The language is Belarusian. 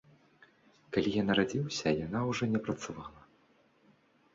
Калі я нарадзіўся, яна ўжо не працавала.